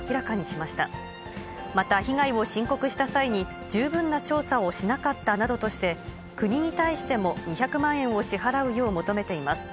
また被害を申告した際に、十分な調査をしなかったなどとして、国に対しても２００万円を支払うよう求めています。